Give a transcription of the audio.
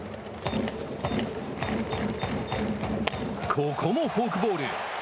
ここもフォークボール。